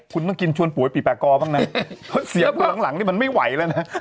คุณต้องกินชวนผัวให้ปิดแปลกอบ้างนะเสียผัวหลังนี่มันไม่ไหวแล้วนะ